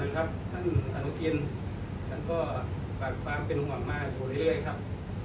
ท่านอนุทินท่านก็ฝากความเป็นห่วงมาอยู่เรื่อยครับ